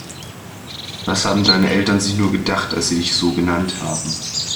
Was haben deine Eltern sich nur gedacht, als sie dich so genannt haben?